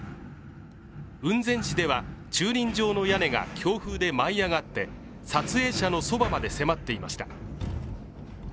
雲仙市では駐輪場の屋根が強風で舞い上がって撮影者のそばまで迫っていました。